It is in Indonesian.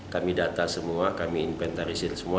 kami data semua kami inventarisir semua